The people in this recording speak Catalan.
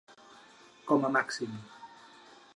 Com a màxim.